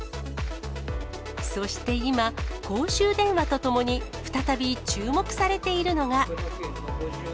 そして今、公衆電話とともに、再び注目されているのが。